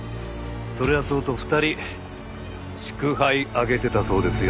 それはそうと２人祝杯あげてたそうですよ。